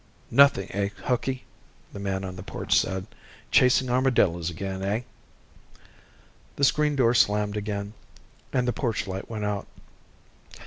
"Nothing, eh, Hooky?" the man on the porch said. "Chasin' armadillos again, eh?" The screen door slammed again, and the porch light went out.